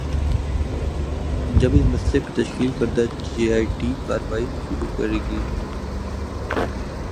جب اس مسئلے پہ تشکیل کردہ جے آئی ٹی کارروائی شروع کرے گی۔